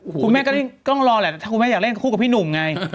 คุณแม่ก็ต้องรอแหละถ้าคุณแม่อยากเล่นคู่กับพี่หนุ่มไง